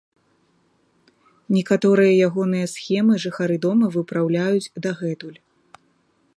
Некаторыя ягоныя схемы жыхары дома выпраўляюць дагэтуль.